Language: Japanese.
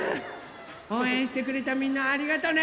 おうえんしてくれたみんなありがとね！